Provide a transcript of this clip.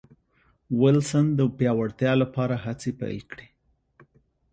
وېلسن د پیاوړتیا لپاره هڅې پیل کړې.